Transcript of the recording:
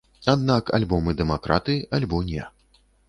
Аднак альбо мы дэмакраты, альбо не.